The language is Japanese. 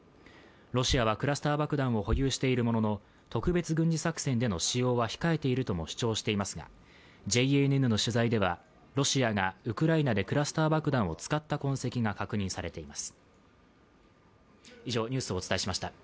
ロシアはクラスター爆弾を保有しているものの特別軍事作戦での使用は控えているとも主張していますがＪＮＮの取材ではロシアがウクライナでクラスター爆弾を使った痕跡が確認されています。